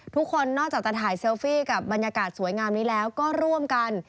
ทุกคนนอกจากจะถ่ายเซลฟี่กับบรรยากาศสวยงามนี้แล้วก็ร่วมกัน